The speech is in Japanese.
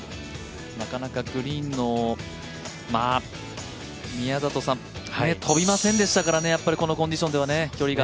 なかなかグリーン、飛びませんでしたからねこのコンディションでは距離が。